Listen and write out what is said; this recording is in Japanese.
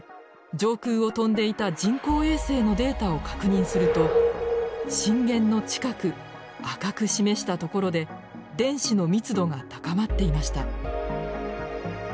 上空を飛んでいた人工衛星のデータを確認すると震源の近く赤く示した所で電子の密度が高まっていました。